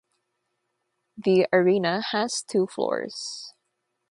The arena has two floors.